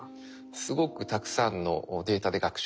すごくたくさんのデータで学習してます。